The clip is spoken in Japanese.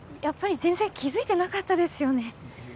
やっぱり全然気づいてなかったですよね